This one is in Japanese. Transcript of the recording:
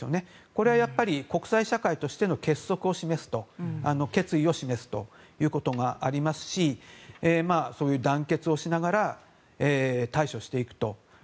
これはやっぱり国際社会としての結束を示す決意を示すということがありますし団結をしながら対処していくと。